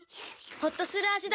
ホッとする味だねっ。